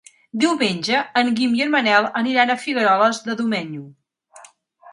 Diumenge en Guim i en Manel aniran a Figueroles de Domenyo.